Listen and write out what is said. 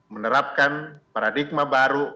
menerapkan paradigma baru